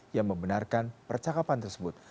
yang membenarkan percakapan tersebut